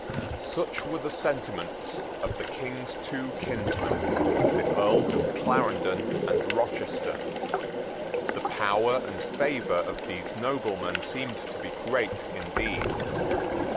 Such were the sentiments of the King's two kinsmen, the Earls of Clarendon and Rochester. The power and favour of these noblemen seemed to be great indeed.